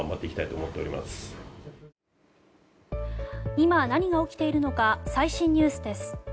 今、何が起きているのか最新ニュースです。